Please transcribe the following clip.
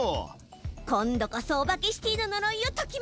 今度こそオバケシティののろいを解きましょう！